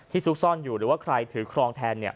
ซุกซ่อนอยู่หรือว่าใครถือครองแทนเนี่ย